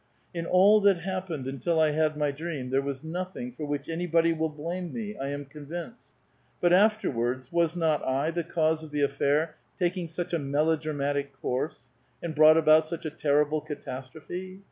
In all that happened until I had m^' dream there was no tiling for which anybody will blame me, I am convinced. But afterwards, was not I tiie cause of the affair taking such a melodramatic course, and brought about such a terrible catas trophe